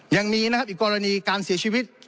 ยังมีนะครับอีกกรณีการเสียชีวิต